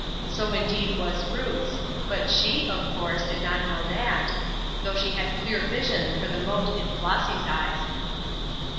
So indeed was Ruth's; but she, of course, did not know that, though she had clear vision for the mote in Flossy's eyes.